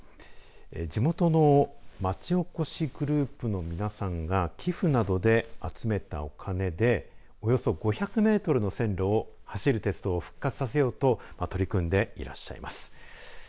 地元のまちおこしグループの皆さんが寄付などで集めたお金でおよそ５００メートルの線路を走る鉄道を復活させようと取り組んでいらっしゃいます。